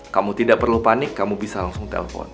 kamu tidak perlu panik kamu bisa langsung telpon